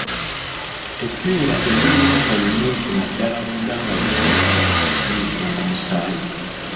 Eppeera eribeera nga limyufu ddala munda nga lyengedde liyitibwa Nnamusaayi.